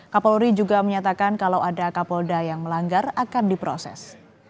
kapolri juga menyatakan kalau ada kapolda yang melanggar akan diproses